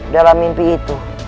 dalam mimpi itu